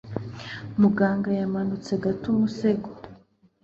Muganga yamanutse gato umusego